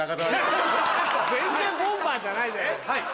全然ボンバーじゃないじゃない。